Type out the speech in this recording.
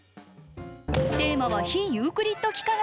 テーマは非ユークリッド幾何学。